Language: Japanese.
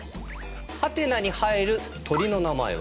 ハテナに入る鳥の名前は？